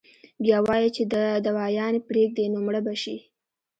بيا وائي چې دوايانې پرېږدي نو مړه به شي -